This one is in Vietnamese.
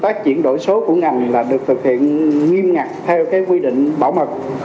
phát triển đổi số của ngành là được thực hiện nghiêm ngặt theo quy định bảo mật